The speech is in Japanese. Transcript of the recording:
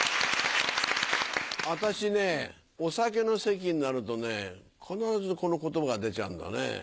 私ねお酒の席になるとね必ずこの言葉が出ちゃうんだね。